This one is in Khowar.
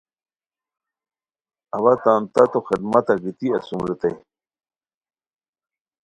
اوا تان تاتو خدمتہ گیتی اسوم ریتائے